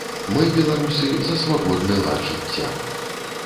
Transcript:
Мы, беларусы, за свабодны лад жыцця.